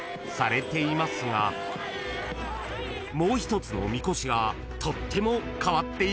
［もう一つのみこしがとっても変わっているんです］